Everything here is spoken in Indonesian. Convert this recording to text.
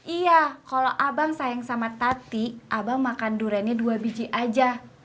iya kalau abang sayang sama tati abang makan duriannya dua biji aja